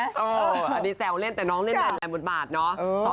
อันนี้แซวเล่นแต่น้องเล่นแดดแดดหมดบาทเนาะ